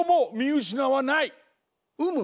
うむ。